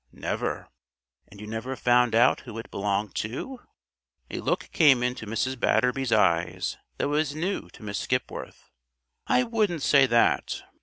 "Never." "And you never found out who it belonged to?" A look came into Mrs. Batterby's eyes that was new to Miss Skipworth. "I wouldn't say that.